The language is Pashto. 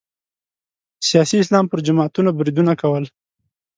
سیاسي اسلام پر جماعتونو بریدونه کول